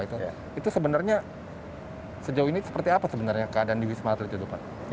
itu sebenarnya sejauh ini seperti apa sebenarnya keadaan di wisma atlet itu pak